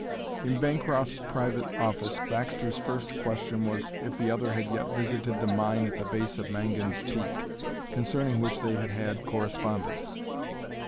In Bancroft's private office Baxter's first question was if the other had yet visited the mine at the base of Mangan's Peak, concerning which they had had correspondence.